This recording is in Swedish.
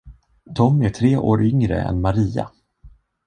Tom är tre år yngre än Maria.